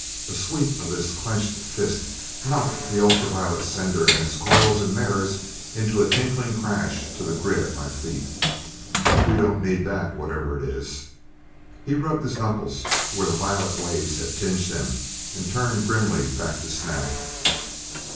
A sweep of his clenched fist knocked the ultra violet sender and its coils and mirrors in a tinkling crash to the grid at my feet. "We don't need that, whatever it is!" He rubbed his knuckles where the violet waves had tinged them, and turned grimly back to Snap.